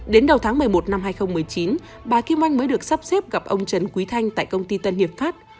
đến đầu tháng một mươi một năm hai nghìn một mươi chín bà kim anh mới được sắp xếp gặp ông trần quý thanh tại công ty tân hiệp pháp